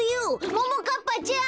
ももかっぱちゃん！